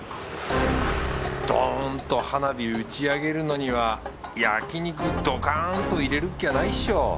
ドーンと花火打ち上げるのには焼肉ドカーンと入れるっきゃないっしょ。